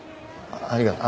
ありがとう。